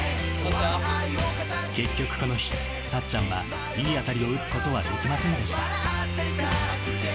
結局この日、さっちゃんはいい当たりを打つことはできませんでした。